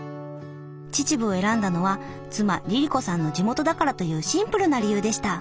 秩父を選んだのは妻りり子さんの地元だからというシンプルな理由でした。